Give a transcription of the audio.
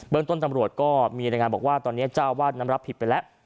เบื้องต้นตำรวจก็มีรายงานบอกว่าตอนนี้ชาวบ้านนำรับผิดไปแล้ว